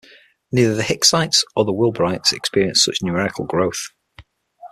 Neither the Hicksites nor Wilburites experienced such numerical growth.